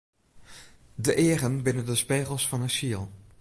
De eagen binne de spegels fan 'e siel.